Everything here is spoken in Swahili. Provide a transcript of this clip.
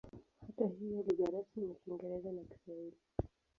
Hata hivyo lugha rasmi ni Kiingereza na Kiswahili.